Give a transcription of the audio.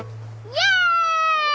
イェーイ！